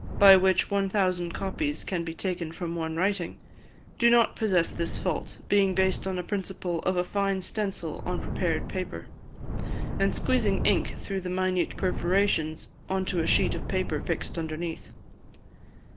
(by which 1,000 copies can be taken from one writing), do not possess this fault, being based on a principle of a fine stencil on prepared paper, and squeezing ink through the minute perforations on to a sheet of paper fixed underneath.